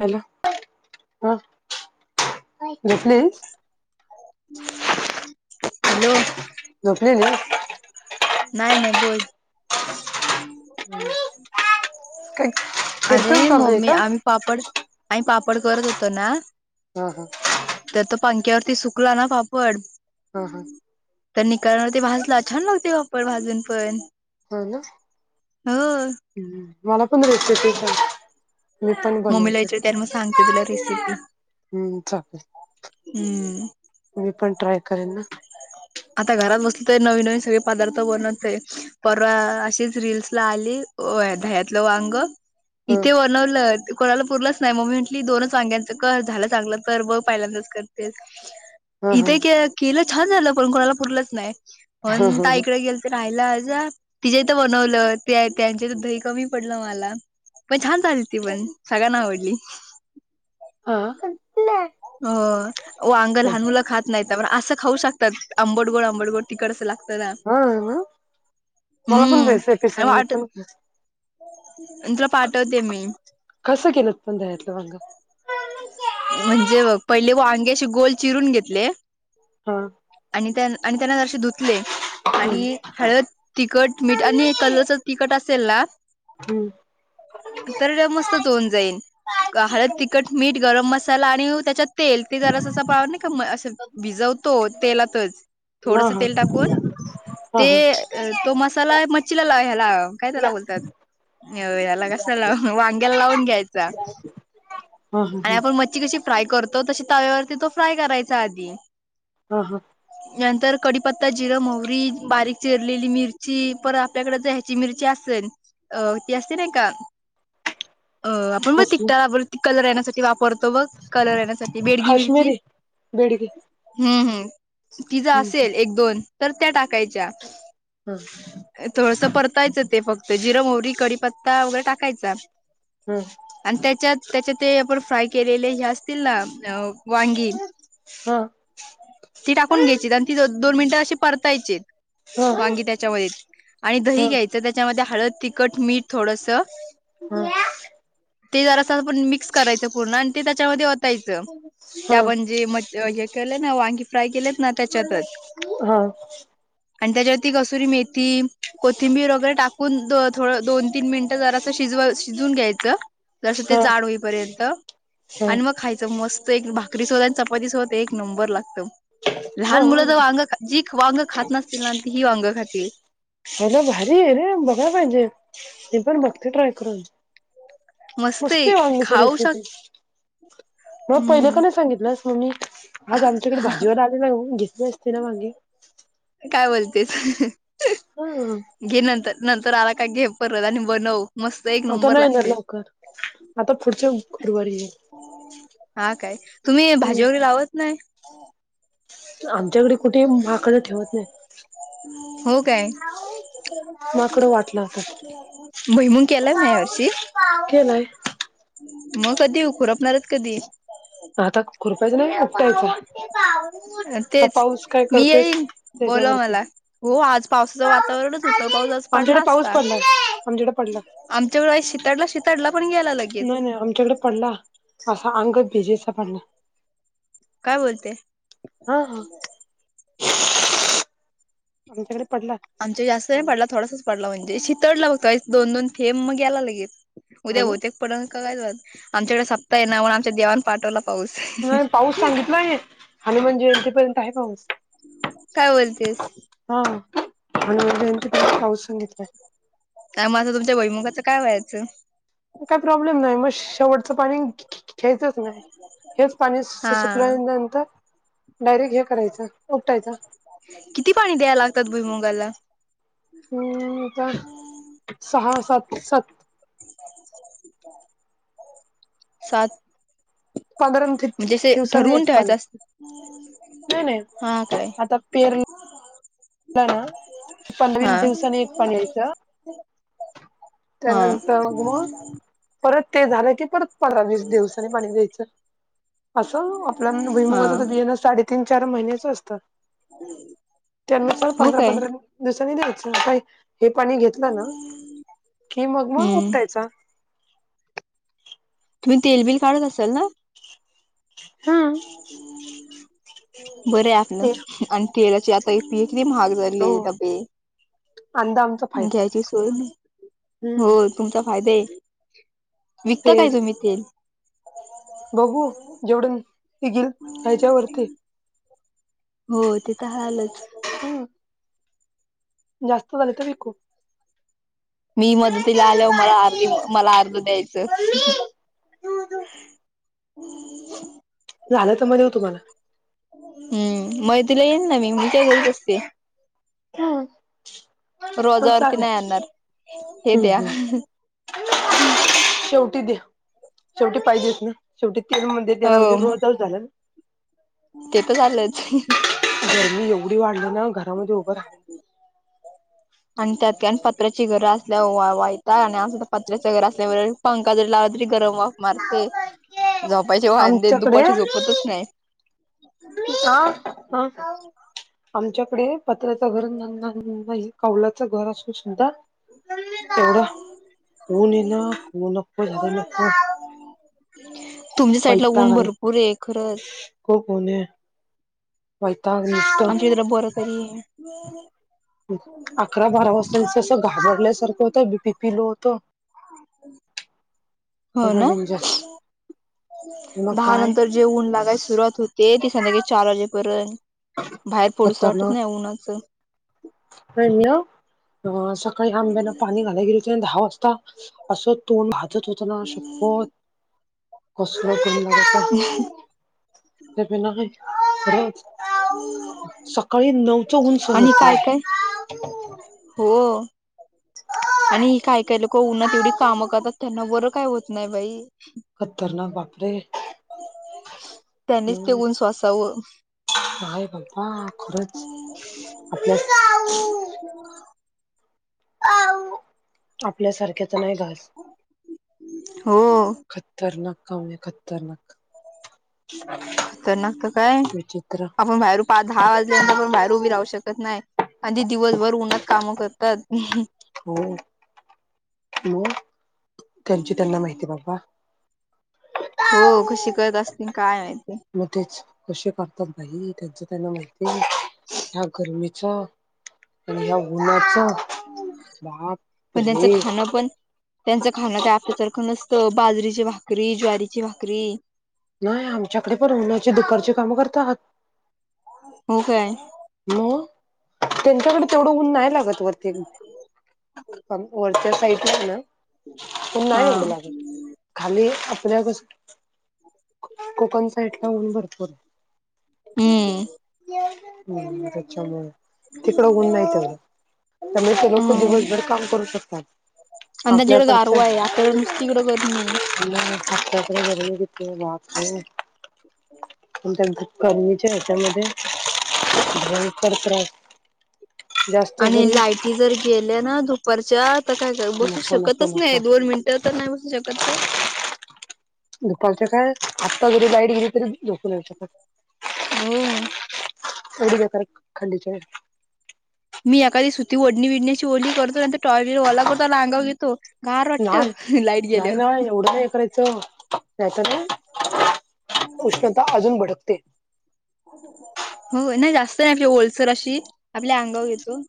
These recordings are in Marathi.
हॅलो, हा झोपलीस? हॅलो. झोपलेलीस? नाही नाही, बोल. काय अरे कीर्तन चालू आहे मम्मी का आम पापड, आम्ही पापड करत होतो ना हा हा. तर तो पंख्यावरती, सुकला ना पापड. हा हा तर निखाऱ्यावरती भाजला, छान लागते पापड भाजून पण. होय ना? हो हम्म, मला पण रेसिपी सांग. मी पण मम्मीला बनवते विचारते आणि मग सांगते तुला रेसिपी. हम्म, चालेल. हम्म मी पण ट्राय करेन ना. आता घरात बसली तर, नवीन नवीन सगळे पदार्थ बनवत आहे. परवा अशीच रील्सला आली, ओये दह्यातलं वांग. हा इथे वर बनवलं. कोणाला पुरलंच नाही. मम्मी म्हटली दोनचं वांग्यांचं कर, झालं चांगलं कर बघ. पहिल्यांदाच करतेस. हा हा इथे के केलं, छान झालं. पण कोणाला पुरलंच नाही. हा पण हा ताईकडे गेल ते राहिला जा, तिच्या इथं बनवलं ते त्यांच्या इथं दही कमी पडलं मला. पण छान झाली ती पण, सगळ्यांना आवडली. आ? हो वांग हो लहान मुलं खात नाहीत, पण असं खाऊ शकतात आंबटगोड आंबटगोड. तिकडचं लागतं ना. हा ना मला पण हम्म, रेसिपी काय सांग मी वाटत पण कस- अन तुला पाठवते मी. कसं केलंत पण दह्यातलं वांग? म्हणजे बघ, पहिले वांगे अशी गोल चिरून घेतले. हा. आणि त्या आणि त्यांना जरासे धुतले हम्म आणि हळद तिखट, मीठ आणि कलरचं तिखट असेल ना हम्म. तरी ते मस्तच होवून जाईन. का हळद, तिखट, मीठ गरम मसाला आणि त्याच्यातं तेल. ते जरासं असं [unintelligible] नाही का असं भिजवतो तेलातचं. हा थोडसं तेल टाकून, हा हा हा. हा ते तो मसाला मच्छीला लाव ह्याला काय त्याला बोलतात? याला कशाला, वांग्याला लावून घ्यायचा. हा आणी हा आपण मच्छी कशी फ्राय करतो, तशी तव्यावरती तो फ्राय करायचा आधी. हा, हा. नंतर कडीपत्ता, जिरं मोहरी, बारीक चिरलेली मिरची परत आपल्याकडं ते हे जी मिरची असेल, अ ती असते नाय का? [unintelligible] अ आपण [unintelligible] कसली त्यावरती कलर येण्यासाठी ती वापरतो बघ कलर येण्यासाठी, बेडगी मिरची. काश्मीरी बेडगी हूं हूं. ति ज हम्म असेल एक दोन, तर त्या टाकायच्या. हं. थोडंसं परतायचं ते फक्त. जिरं मोहरी कडीपत्ता वगैरे टाकायचा. हं. आन त्याच्यात, त्याच्या ते आपण फ्राय केलेले हे असतील ना वांगी, हं. ती टाकून घ्यायचीत आणि तीतं दोन मिनिटं अशी परतायचीत, हा हा वांगी त्याच्यामध्ये. आणि दही घ्यायचं, त्याच्यामध्ये हळद, तिखट, मीठ थोडसं ते जरासं आपण मिक्स करायचं पूर्ण आन ते त्याच्यामदी ओ तायचं. ते हा आपण जे मच हे केलंय ना वांगी फ्राय केलेत ना त्याच्यातंच. हा आणि त्याच्यावरती कसुरी मेथी, कोथिंबीर वगैरे टाकून दो थोडं दोन तीन मिनिटं जरासं शिजवा शिजवून घ्यायचं, जसं ते हा जाड होईपर्यंत. हा आणि मग खायचं मस्त. एक भाकरीसोबत आणि चपातीसोबत एक नंबर लागतं. लहान मुलं जर वांगं, जी वांगं खात नसतील ना, ती ही वांगं खातील. अं म भारी आहे रे, बघाय पाहिजे. मी पण बघते ट्राय करून. मस्त आहे. मस्तंय, वांग्याची खाऊ शक रेसिपी. म पहिलं का हम्म नाही सांगितलंस? मग मी, आज आमच्याकडे भाजीवाला आलेला ना, घेतली असती. सर्वांगी काय बोलतेस. ऊं. घे नंतर. नंतर आला का घे परत आणि बनवं. मस्त, एक आता नंबर नाही येणार लागतंय. लवकर आता पुढच्या गुरुवारी हा काय, तुम्ही भाजी येईल. वगैरे लावत नाय? आमच्याकडे कुठे माकडं ठेवत नाय. हो काय? माकडं वाट लावतात. भुईमुग केलाय ना या वर्षी केलाय. मग कधी? खुरपणारेत कधी? आता खुरपायचं नाही [unintelligible] पाऊसंय पाऊस. आता तेच पाऊस काय मी करतोय, येईन बोलव त्याज्यावरती. मला हो आज पावसाचं वातावरणच होतं पाऊस आज आमच्याकडे पडला पाऊस पडलाय, आमच्याकडं पडला. आमच्याकडंय शिताडला शिताडला पण गेला लगी. नाय नाय, आमच्याकडे पडला. असा अंग भिजेचा पडला. काय बोलते? आ हं. आमच्या जास्त नाही चांगला. पडला, थोडासाच. पडला म्हणजे शितडला होता दोन -दोन थेबं मग गेला लगेच, हा उद्या ना बहुतेक पडन का काय जोरात आमच्याकडे सप्ताह आहे ना, म्हणुन आमच्या देवान पाठवला पाऊस. नाही ये आणि म्हणजे इथेपर्यंत आहे पाऊस. काय बोलतेस हा, हनुमान जयंती पर्यंत पाऊस सांगितलाय. काय म आता तुमच्या भुइमुगाचं काय व्हायचं? मग काय प्रॉब्लेम नाय, मग शेवटचं पाणी घ्यायचच नाय, हेच पाणी सुक हा सुकल्यानंतर डायरेक्ट हे करायचं ओतायच. किती पाणी द्यायला लागतात भुईमुंगाला? हम्म, तर सहा-सात, सात सात पंधरा दिव म्हणजे असे दिवसांनी एक ठरवून पाणी. ठेवायचं असत नाही हा नाही, काय आता पेरणी आता ना पंधरा एक हा दिवसानी एक पाणी द्यायच हा त्यानंतर मग, मग परत ते झालं की परत पंधरा-वीस दिवसानी पाणी द्यायचं, अस आपल्या हा भुईमुंगाच ते बियाण साडे तीन-चार महिन्याच असत. [unintelligible] त्यानुसार हो काय पंधरा-पंधरा दिवसांनी द्यायच, काही हे पाणी घेतलं ना की मग, म हम्म उपटायच. तुम्ही तेलबिल काढत असाल ना? [unintelligible] बर आहे आपल ते आणि तेलाची आता एक पी हे किती महागड हो [unintelligible] डबे अंदा आमचा फायदा घ्यायची सोय नाही, हम्म हो तुमचा फायदा आहे, विकता काय तेल तुम्ही तेल? बघू जेवढं, निघेल त्याच्यावरती ये? होय, ते तर [unintelligible] हम्म. जास्त झाले तर विकू? मी मदतीला आल्यावर, मला अर्धी मला आर्ध द्यायचं. झालं तर म देऊ तुम्हाला. हम्म, मदतीला येईन ना मी, मी काय घरीच असते. हा. हो रोजावरती नाही आणणार चालेल, हे हम्म द्या हम्म, ठेऊ शेवटी द्या, शेवटी पाहिजेच ना शेवटी तेल म्हणजे त्याना म्हणजे हो मग रोजच झाला ना. ते तर झालंच. गरमी एवढी वाढली ना, घरामध्ये उभं राहवत आणि त्यात की न पत्र्याची घरं असल्यावर वैताग आणि अस तर पत्र्याच घरं असल्यावर पंखा जरी लावला तरी गरम वाफ मारते, झोपायचे वांदे येत आमच्याकडे दुपारची झोपतच नाही. मम्मी, आ हा खाऊ आमच्याकडे पत्र्याच घर ना ना नाही, कौलाच घर असून सुद्धा तेवढा, ऊन ये ना, ऊन नको झालय नको. तुमच्या साइडला ऊन भरपूर आहे खरंच. खुप ऊन ये - वैतागले- आमच्या इथं बंर तरी ये- अकरा-बारा वाजता नुसता असं घाबरल्यासारखं होतं बीपी फील होतो. हो ना- डेंजर मग दहा काय नंतर जे ऊन लागायला सुरुवात होते ते संध्याकाळी चार वाजेपर्यंत- बाहेर पोडुसं वाटत नाही उन्हाचं. हॅलो? अ सकाळी आंब्याना पाणी घालाय गेले [unintelligible] दहा वाजता असं तोंड भाजत होतं ना शप्पथ. कसलं ऊन लागत. [unintelligible] ते पिणार नई, [unintelligible] सकाळी नऊच ऊन सुरू आणि होत. काय काय [unintelligible] हो. आणि ही काय-काय लोकं उन्हात येवढी कामं करतात त्यांना बरं काय होत नाही बाई- खतरनाक बापरे. त्यानीच ते मग ऊन सोसव. काय म्हणता खरंच. आपल्या- आपल्यासारख्याच नाही घास. हो. खतरनाक कामे खतरनाक. खतरनाक तर काय? विचित्र आपण बाहेर पहा दहा वाजल्यानंतर पण बाहेर उभी राहू शकत नाही. आधी दिवसभर उन्हात कामं करतात. हो. मग, त्यांची त्यांना माहिती बाबा. हो कशी करत असतील काय माहिती. मग तेच, कसे करतात बाई त्यांच त्यांना माहिती ह्या गरमीचं. आणि या उन्हाचं, बाप रे. न [unintelligible] पण. त्यांचं खाणं काय आपल्यासारखं नसतं बाजरीची भाकरी, ज्वारीची भाकरी. नाही आमच्याकडे पण उन्हाचे दुपारचे कामं करतात. हो काय मग, त्यांच्याकडे तेवढं ऊन नाही लागत वरती. अ वरच्या साईडला ना ऊन हा नाही एवढं लागत. खाली आपल्या कसं, कोकण साईटला ऊन भरपूरे. हम्म. हम्म त्याच्यामुळे, तिकडं ऊन नाही चालत. त्यामुळे ते लोकं दिवसभर काम करू शकतात. [unintelligible] कडं आपल्याकडचं गारवा आहे आपल्याकडे नुसती इकडं गरमी. [unintelligible] गर्मीच्या हेच्यामध्ये [unintelligible] करत रा [inaudible] आणि लायटी जर गेल्या ना दुपारच्या तर काय [unintelligible] बसू नको नको शकतच नाही नको दोन मिनिट. त्यो तर नाही बसू शकत का? दुपारच्या काय, आत्ता जरी लाईट गेली तरी झोपू नाही शकत. हो. एवडी बेकार खंडीशन मी एखादी सुती ओढणी विडण्याची ओली करते टॉवेल बी ओला करतो, अंगवर घेतो, गार वाटतं लाईट गेल्यावर. काय एवढं हे करायचं त्याच काय? उष्णता अजून भडकते. हो नाही, जास्त नाही, आपली ओलसर अशी आपल्या अंगावर घेतो.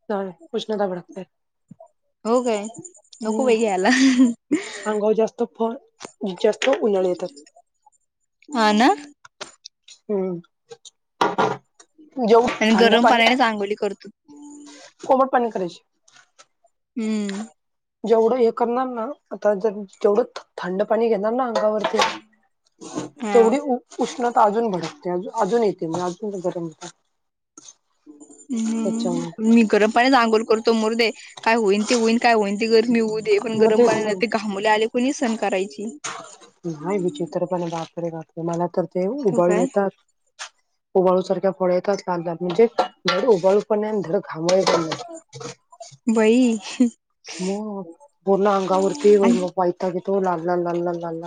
[unintelligible] उष्णता भडकते. हो काय? नको हम्म, बाई घ्यायला अंगावर जास्त फळ जास्त उन्हाळे येतात. हा ना. हम्म, जेऊ आणि थंड गरम पाणी पाण्यानेच आंघोळी करतो कोमट पाणी करायची. हम्म. जेवढं हे करणार ना, आता जर जेवढं थंड पाणी घेणार ना [unintelligible] वरती हा तेवढी उष्णता अजून भडकते, अजून अजून येते म्हणजे अजून गरम होत. हम्म, त्याच्यामुळे मी गरम [unintelligible] पाण्याने अंघोळ करतो मरुदे, काय होईन ते होईन, काय होईन ते गरमी होऊ दे, पण मग गरम तेच ना पाणी मुले आले कोणी सण करायची. नाही विचित्रपणे बापरे बापरे, मला तर ते हो उबाळू काय येतात. उबाळू सारख्या फळ येतात, कात म्हणजे धड उबाळू पण नाही आणि धड घामोळे पण नाही. बई. मग पूर्ण अंगावरती आणि मग वैताग येतो, लाल लाल लाल लाल लाल.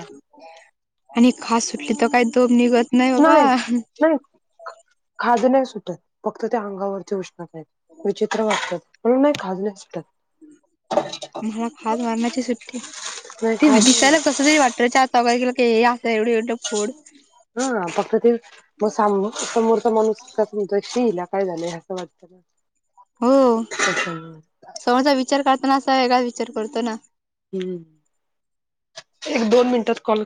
आणि खास सुटली तर, काही तोप निघत नाही बाबा. नाही खाज नाही सुटत, फक्त त्या अंगावरती उष्णता येती. [unintelligible] विचित्र वाटतात पण नाही खाज नाही सुटत. मला खाज मारण्याची सुटती. नाही ते खाज दिसायला कस तरी वाट त चार चौघात गेल की, हे असं एवढे एवढं फोड. हा फक्त ते मग समोरचा माणूस कस म्हणतो, शी ईला काय झाले? असं वाटतं. हो [unintelligible] समोरचा विचार करताना असा वेगळाच विचार करतो ना. हम्म, एक, दोन मिनिटात कॉल